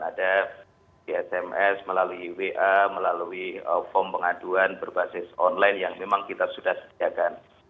ada di sms melalui wa melalui form pengaduan berbasis online yang memang kita sudah sediakan